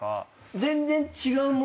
全然違うもの？